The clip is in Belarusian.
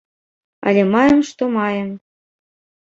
Але маем, што маем.